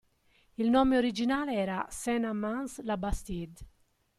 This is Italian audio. Il nome originale era Saint-Amans-la-Bastide.